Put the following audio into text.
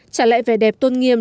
trả lại vẻ đẹp tôn nghiêm